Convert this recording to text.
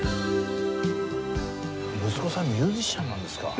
息子さんミュージシャンなんですか。